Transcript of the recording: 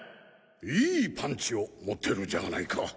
いいパンチを持ってるじゃあないか。